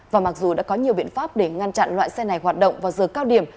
và mặc dù đã có nhiều biện pháp để ngăn chặn loại xe này hoạt động vào giờ cao điểm